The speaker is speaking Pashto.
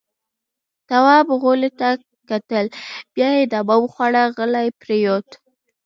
تواب غولي ته کتل. بيا يې دوا وخوړه، غلی پرېووت.